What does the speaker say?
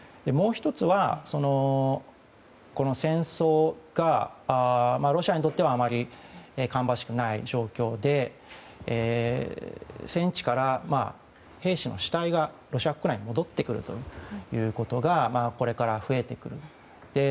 もう１つはこの戦争がロシアにとってはあまり芳しくない状況で戦地から兵士の死体がロシア国内に戻ってくるということがこれから増えてくる。